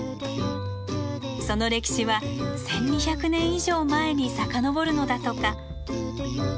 その歴史は１，２００年以上前に遡るのだとか。